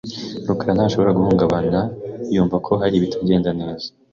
rukara ntashobora guhungabana yumva ko hari ibitagenda neza .